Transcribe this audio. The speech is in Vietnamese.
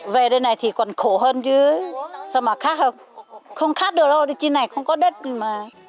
về đây này thì còn khổ hơn chứ xong mà khác hơn không khác được đâu trên này không có đất mà